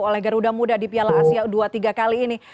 oleh garuda muda di piala asia u dua puluh tiga kali ini